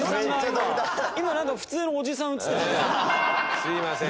すいません。